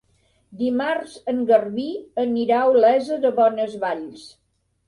Dimarts en Garbí anirà a Olesa de Bonesvalls.